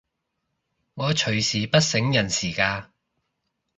我隨時不省人事㗎